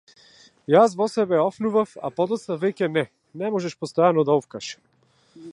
Јас во себе офнував, а подоцна веќе не, не можеш постојано да офкаш.